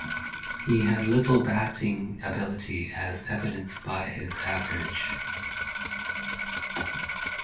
He had little batting ability, as evidenced by his average.